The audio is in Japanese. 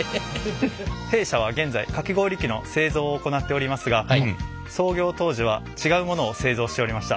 弊社は現在かき氷機の製造を行っておりますが創業当時はちがうものを製造しておりました。